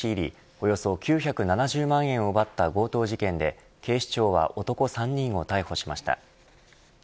およそ９７０万円を奪った強盗事件で警視庁は男３人を逮捕しました。